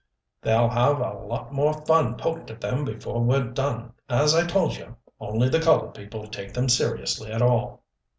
"They'll have a lot more fun poked at them before we're done. As I told you only the colored people take them seriously at all."